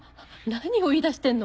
何を言いだしてんの。